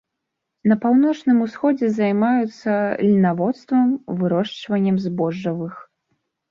На паўночным усходзе займаюцца льнаводствам, вырошчваннем збожжавых.